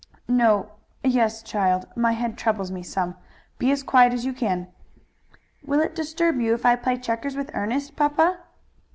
"No yes, child. My head troubles me some. Be as quiet as you can." "Will it disturb you if I play checkers with Ernest, papa?"